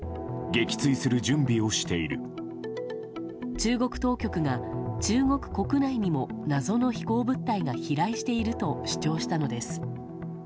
中国当局が中国国内にも、謎の飛行物体が飛来していると主張したのです。